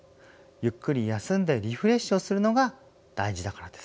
ゆっくり休んでリフレッシュをするのが大事だからです。